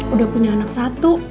udah punya anak satu